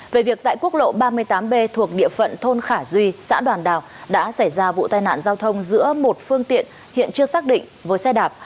về việc tại quốc lộ ba mươi tám b thuộc địa phận thôn khả duy xã đoàn đào đã xảy ra vụ tai nạn giao thông giữa một phương tiện hiện chưa xác định với xe đạp